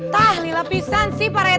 tahli lapisan sih para etek